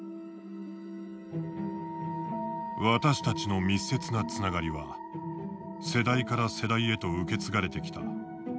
「私たちの密接なつながりは世代から世代へと受け継がれてきた。